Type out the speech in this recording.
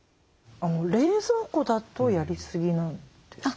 冷蔵庫だとやりすぎなんですか？